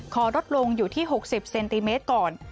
ขอลดลงอยู่ที่๖๐เซนติเมตรก่อน